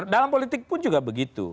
dalam politik pun juga begitu